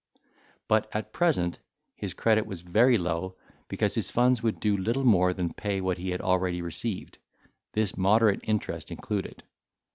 But at present his credit was very low, because his funds would do little more than pay what he had already received, this moderate interest included.